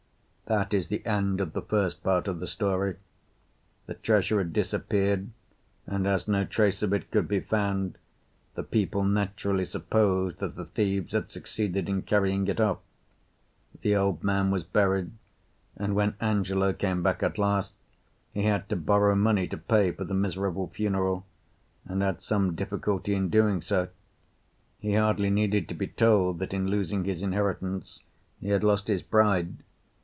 That is the end of the first part of the story. The treasure had disappeared, and as no trace of it could be found the people naturally supposed that the thieves had succeeded in carrying it off. The old man was buried, and when Angelo came back at last he had to borrow money to pay for the miserable funeral, and had some difficulty in doing so. He hardly needed to be told that in losing his inheritance he had lost his bride.